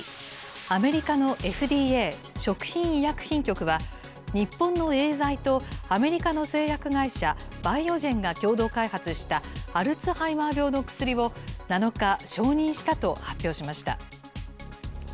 アメリカのＦＤＡ・食品医薬品局は、日本のエーザイとアメリカの製薬会社、バイオジェンが共同開発したアルツハイマー病の薬を、７日、承認したと発表しました。